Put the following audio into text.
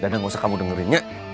dana nggak usah kamu dengerinnya